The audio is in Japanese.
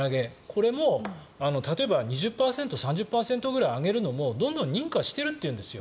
これも例えば２０％、３０％ぐらい上げるのもどんどん認可しているというんです。